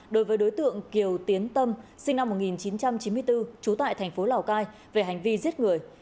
đối với đối tượng kiều tiến tâm sinh năm một nghìn chín trăm chín mươi bốn trú tại thành phố lào cai về hành vi giết người